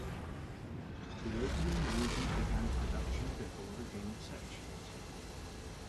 The opening movie began production before the game sections.